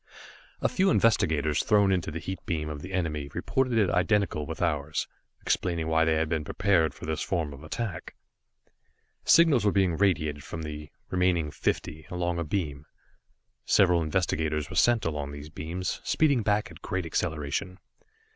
A few investigators thrown into the heat beam of the enemy reported it identical with ours, explaining why they had been prepared for this form of attack. Signals were being radiated from the remaining fifty, along a beam. Several investigators were sent along these beams, speeding back at great acceleration.